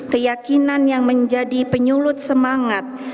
keyakinan yang menjadi penyulut semangat